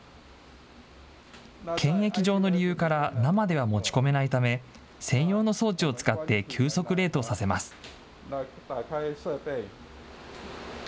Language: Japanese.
検疫上の理由から、生では持ち込めないため、専用の装置を使って急速冷凍させます。